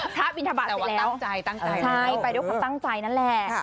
พระบิณฑบาตเสร็จแล้วใช่ไปด้วยความตั้งใจนั่นแหละ